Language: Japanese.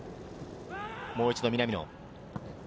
もう一度、南野。